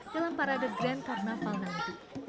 dalam parade grand carnaval nanti